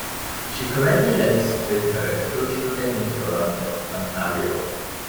She currently lives with her two children in Toronto, Ontario.